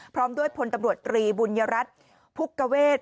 พร้อมด้วยพลตำรวจตรีบุญยรัฐภุกกเวท